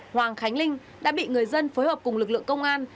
hoàng khánh linh đã bị người dân phối hợp cùng lực lượng công an